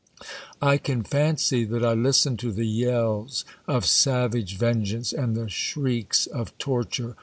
I can fancy that I listen to the yells of savage vengeance and the shrieks of torture.